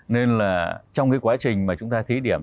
nên là trong cái quá trình mà chúng ta thí điểm